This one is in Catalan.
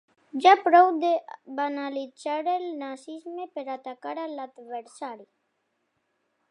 Ja prou de banalitzar el nazisme per atacar l’adversari.